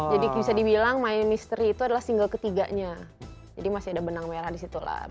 jadi bisa dibilang my mystery itu adalah single ketiganya jadi masih ada benang merah disitu orangnya